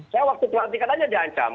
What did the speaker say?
saya waktu kelas tiga aja diancam